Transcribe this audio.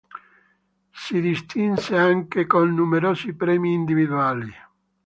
Si distinse anche con numerosi premi individuali.